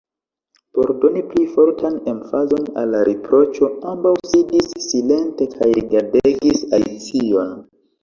Por doni pli fortan emfazon al la riproĉo, ambaŭ sidis silente kaj rigardegis Alicion.